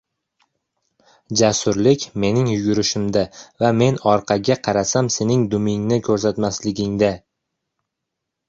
“Jasurlik mening yugurishimda va men orqaga qarasam sening dumingni ko‘rsatmasligingda”.